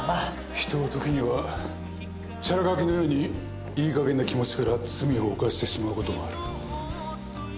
人は時にはチャラ書きのようにいい加減な気持ちから罪を犯してしまうこともある。